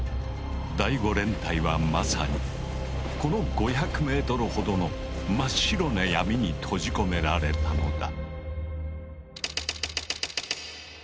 第５連隊はまさにこの５００ｍほどの「真っ白な闇」に閉じ込められたのだ。